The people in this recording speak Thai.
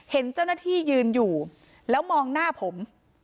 เห็นเจ้าหน้าที่ยืนอยู่แล้วมองหน้าผม